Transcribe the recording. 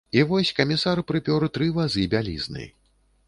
І вось камісар прыпёр тры вазы бялізны.